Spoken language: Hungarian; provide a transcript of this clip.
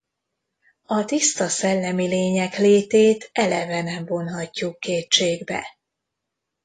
A tiszta szellemi lények létét eleve nem vonhatjuk kétségbe.